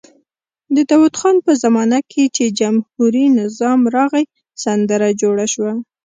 د داود خان په زمانه کې چې جمهوري نظام راغی سندره جوړه شوه.